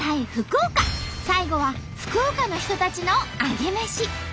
最後は福岡の人たちのアゲメシ！